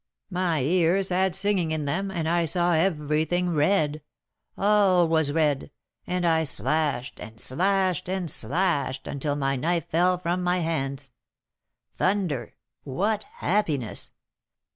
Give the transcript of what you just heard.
My ears had singing in them, and I saw everything red, all was red; and I slashed, and slashed, and slashed, until my knife fell from my hands! Thunder! what happiness!